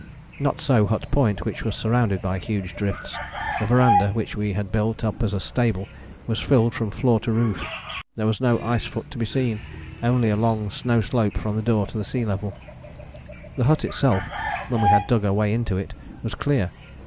Not so Hut Point, which was surrounded by huge drifts: the verandah which we had built up as a stable was filled from floor to roof: there was no ice foot to be seen, only a long snow slope from the door to the sea level. The hut itself, when we had dug our way into it, was clear.